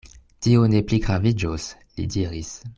Tio ne pligraviĝos, li diris.